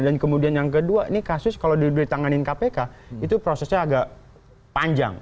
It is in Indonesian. dan kemudian yang kedua ini kasus kalau ditanganin kpk itu prosesnya agak panjang